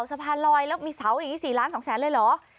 สะพานลอยแล้วมีเสาอย่างนี้๔๒๐๐๐๐๐เลยเหรอ